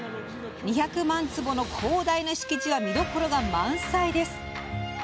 ２００万坪の広大な敷地は見どころが満載です。